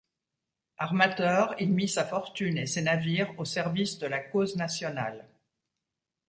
Armateur, il mit sa fortune et ses navires au service de la cause nationale.